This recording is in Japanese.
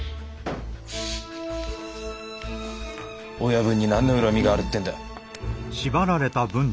親分に何の恨みがあるってんだ。